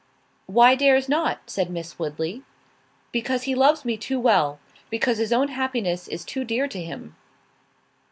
"Why dares not?" said Miss Woodley. "Because he loves me too well—because his own happiness is too dear to him."